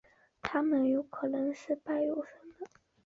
它们有可能是半水生的。